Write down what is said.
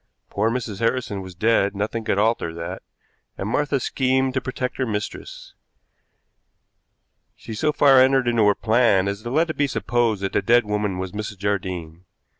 Poor Mrs. Harrison was dead, nothing could alter that, and Martha schemed to protect her mistress. She so far entered into her plan as to let it be supposed that the dead woman was Mrs. Jardine.